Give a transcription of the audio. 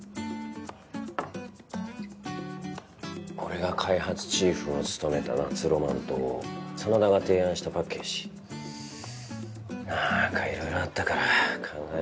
俺が開発チーフを務めた夏浪漫と真田が提案したパッケージなーんかいろいろあったから感慨深いよな。